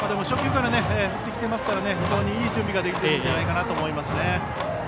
初球から振ってきていますから非常にいい準備ができていると思いますね。